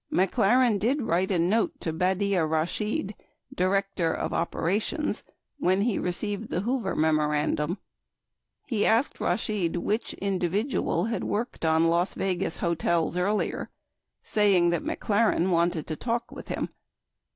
43 McLaren did write a note 44 to Baddia Rashid, Director of Operations, when he received the Hoover memo randum. He asked Rashid which individual had worked on Las Vegas hotels earlier, saying that McLaren wanted to talk with him.